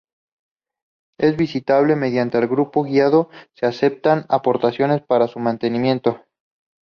Es visitable mediante grupo guiado, se aceptan aportaciones para su mantenimiento.